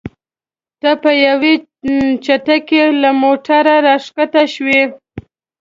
ته په یوې چټکۍ له موټره راښکته شوې.